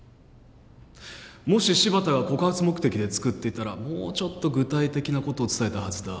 もし柴田が告発目的で作っていたらもうちょっと具体的なことを伝えたはずだ。